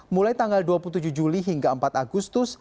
mulai tanggal dua puluh tujuh juli hingga empat agustus